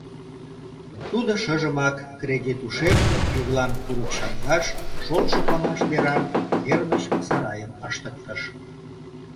Тудо шыжымак кредит ушем Пӱглан курык чаҥгаш, Шолшо памаш деран, кермыч сарайым ыштыктыш.